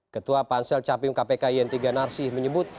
ketua pansel capim kpk yen tiga narsih menyebut